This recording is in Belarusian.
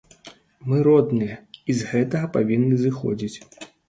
Мы родныя, і з гэтага павінны зыходзіць.